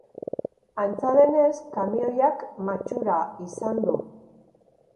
Antza denez, kamioiak matxura izan du.